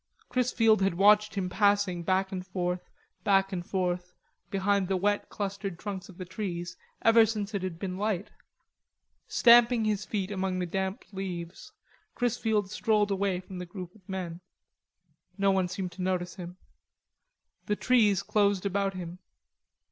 Chrisfield had watched him passing back and forth, back and forth, behind the wet clustered trunks of the trees, ever since it had been light. Stamping his feet among the damp leaves, Chrisfield strolled away from the group of men. No one seemed to notice him. The trees closed about him.